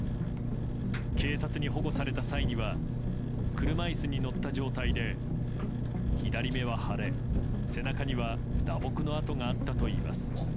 警察に保護された際は車椅子に乗った状態で左目は腫れ、背中には打撲の痕があったといいます。